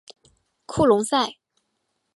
库隆塞。